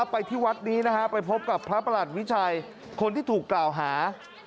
ไปที่วัดนี้นะฮะไปพบกับพระประหลัดวิชัยคนที่ถูกกล่าวหา